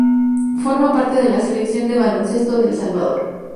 Forma parte de la Selección de baloncesto de El Salvador.